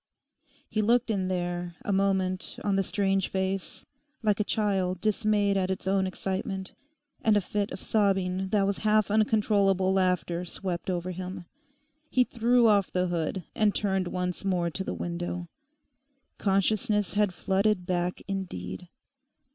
He looked in there a moment on the strange face, like a child dismayed at its own excitement, and a fit of sobbing that was half uncontrollable laughter swept over him. He threw off the hood and turned once more to the window. Consciousness had flooded back indeed.